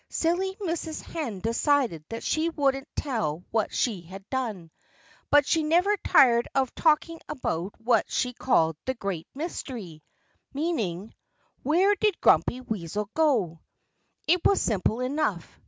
Silly Mrs. Hen decided that she wouldn't tell what she had done. But she never tired of talking about what she called "the great mystery" meaning "Where did Grumpy Weasel go?" It was simple enough.